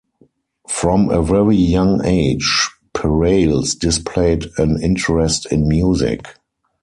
From a very young age, Perales displayed an interest in music.